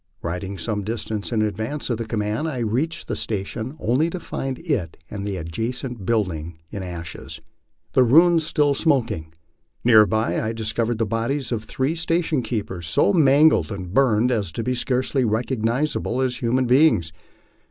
Riding some distance in advance of the command, I reached the station only to find it and the adjacent buildings in ashes, the ruins still smoking. Near by I discovered the bodies of the three station keepers, so mangled and burned as to be scarcely recognizable as human beings.